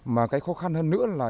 mà cái khó khăn hơn nữa là